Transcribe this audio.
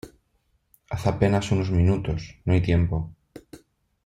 hace apenas unos minutos. no hay tiempo .